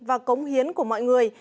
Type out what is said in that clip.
và cống hiến của mọi người